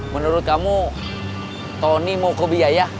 menurut kamu tony mau ke biaya